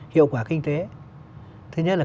hiệu quả kinh tế thứ nhất là